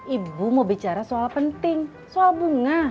ibu mau bicara soal penting soal bunga